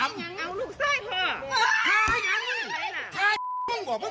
เอ้าลูกชายครับ